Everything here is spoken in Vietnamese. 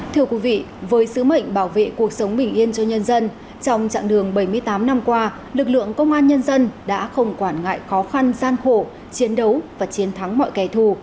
thưa quý vị với sứ mệnh bảo vệ cuộc sống bình yên cho nhân dân trong chặng đường bảy mươi tám năm qua lực lượng công an nhân dân đã không quản ngại khó khăn gian khổ chiến đấu và chiến thắng mọi kẻ thù